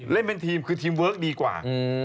เล่นเป็นทีมเต็มเวิร์กดีกว่า